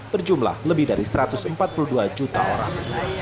berjumlah lebih dari satu ratus empat puluh dua juta orang